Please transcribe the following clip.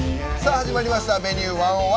始まりました「Ｖｅｎｕｅ１０１」。